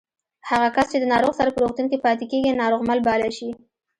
هغه کس چې د ناروغ سره په روغتون کې پاتې کېږي ناروغمل باله شي